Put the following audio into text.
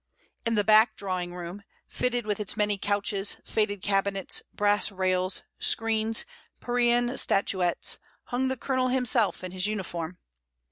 In the back drawing room — fitted with its many couches, faded cabinets, brass rails, screens, Parian statuettes — hung the Colonel himself, in his uniform.